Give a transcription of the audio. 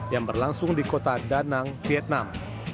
yang berlangsung di kota danang vietnam